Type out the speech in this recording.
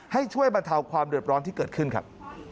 ให้ช่วยบรรเทาความเดือดร้อนที่เกิดขึ้นครับ